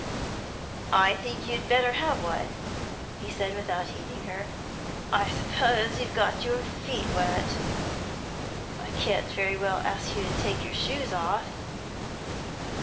'I think you'd better have one,' he said, without heeding her. 'I suppose you've got your feet wet? I can't very well ask you to take your shoes off.'